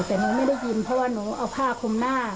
แต่หนูไม่ได้ยินเพราะว่าหนูเอาผ้าคุมหน้า